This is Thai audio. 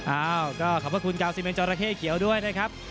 อ้าวก็ขอบคุณ๙๑จอระเข้เขียวด้วยนะครับ